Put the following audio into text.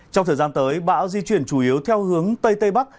trong thời gian tới bão di chuyển chủ yếu theo hướng tây tây bắc